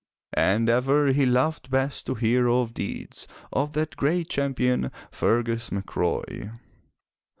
And ever he loved best to hear of deeds of that great champion Fergus MacRoy.